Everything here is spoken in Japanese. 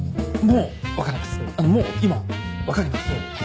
もう今分かります。